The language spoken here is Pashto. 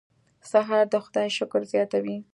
سهار د خدای شکر زیاتوي.